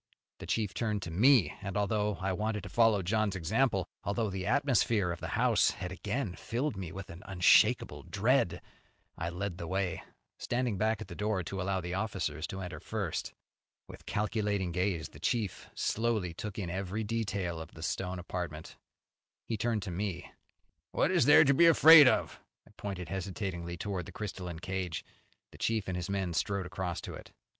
The chief turned to me, and, although I wanted to follow John's example, although the atmosphere of the house had again filled me with an unshakable dread, I led the way, standing back at the door to allow the officers to enter first. With calculating gaze the chief slowly took in every detail of the stone apartment. He turned to me. "What is there here to be afraid of?" I pointed hesitatingly towards the crystalline cage. The chief and his men strode across to it.